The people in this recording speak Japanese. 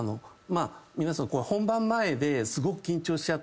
皆さん本番前ですごく緊張しちゃって。